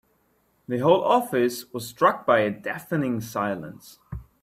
The whole office was struck by a deafening silence.